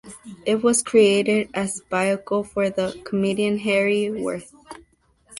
It was created as vehicle for the comedian Harry Worth.